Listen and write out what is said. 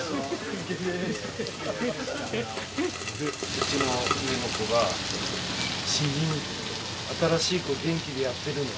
うちの上の子が「新人新しい子元気でやってるの？」